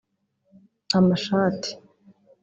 amashati